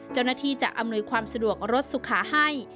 เจ้าหน้าที่จะอำนวยความสะดวกรถสุขาให้